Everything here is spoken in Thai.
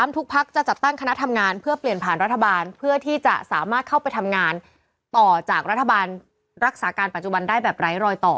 ทุกพักจะจัดตั้งคณะทำงานเพื่อเปลี่ยนผ่านรัฐบาลเพื่อที่จะสามารถเข้าไปทำงานต่อจากรัฐบาลรักษาการปัจจุบันได้แบบไร้รอยต่อ